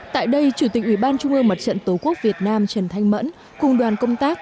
tại đây chủ tịch ủy ban trung ương mặt trận tổ quốc việt nam trần thanh mẫn cùng đoàn công tác